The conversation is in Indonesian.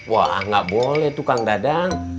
wah gak boleh tukang dadang